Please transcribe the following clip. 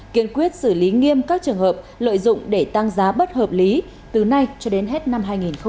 kiên quyết xử lý nghiêm các trường hợp lợi dụng để tăng giá bất hợp lý từ nay cho đến hết năm hai nghìn hai mươi